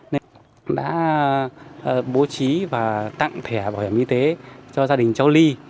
nên đã bố trí và tặng thẻ bảo hiểm y tế cho gia đình cháu ly